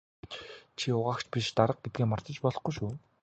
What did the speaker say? Чи угаагч биш дарга гэдгээ мартаж болохгүй шүү.